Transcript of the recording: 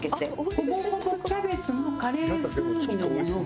ほぼほぼキャベツのカレー風味のものが。